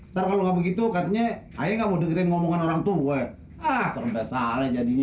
kalau begitu katanya saya nggak mau deket ngomong orangtua ah serta salah jadinya